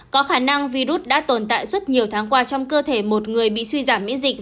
có khả năng virus đã tồn tại suốt nhiều tháng qua trong cơ thể một người bị suy giảm miễn dịch